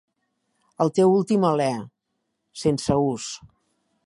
"El teu últim alè", "sense ús".